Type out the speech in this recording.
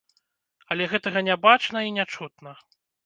Але гэтага не бачна і не чутна.